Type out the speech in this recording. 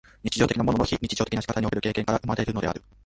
日常的なものの非日常的な仕方における経験から生まれるのである。